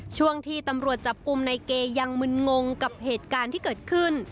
ช่วงที่ตำรวจจับกลุ่มในเกยังมึนงงกับเหตุการณ์ที่เกิดขึ้น